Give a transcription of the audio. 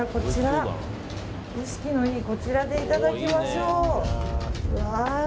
景色のいいこちらでいただきましょう。